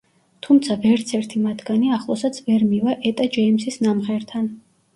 თუმცა ვერცერთი მათგანი ახლოსაც ვერ მივა ეტა ჯეიმსის ნამღერთან.